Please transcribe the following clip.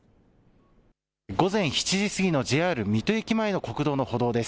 午前７時過ぎのＪＲ水戸駅前の国道の歩道です。